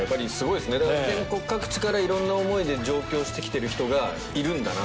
換餝特呂いろんな思いで上京してきてる人がいるんだなと。